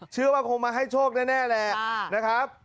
เชื่อว่าคงมาให้โชคแน่แหละนะครับ